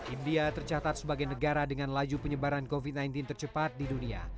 india tercatat sebagai negara dengan laju penyebaran covid sembilan belas tercepat di dunia